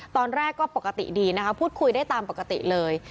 ตอนแรกก็ปกติดีนะคะพูดคุยได้ตามปกติเลย